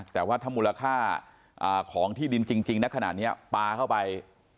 แต่ว่าถ้ามูลค่าของที่ดินจริงนะขนาดนี้ปลาเข้าไป